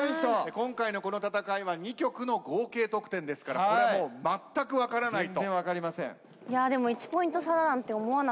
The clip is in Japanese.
今回のこの戦いは２曲の合計得点ですからこれはもうまったく分からないと。